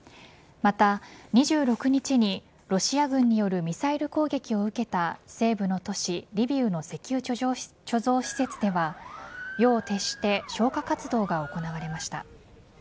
また２６日に、ロシア軍によるミサイル攻撃を受けた西部の都市リビウの石油貯蔵施設では夜を徹して消火活動が行われました。